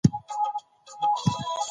د ټولنپوهنې زده کړه فکر پراخوي.